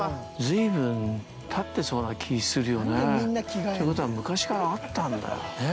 随分たってそうな気がするよな。ということは昔からあったんだよね。